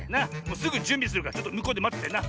すぐじゅんびするからちょっとむこうでまっててな。